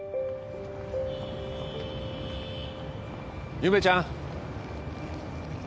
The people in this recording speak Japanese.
夢ちゃん